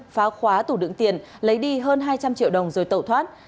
phá khóa tủ đựng tiền lấy đi hơn hai trăm linh triệu đồng rồi tẩu thoát